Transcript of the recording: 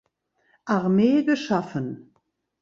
Armee geschaffen.